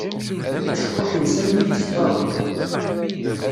Acekkuḥ-ines am yilis n taduḍt.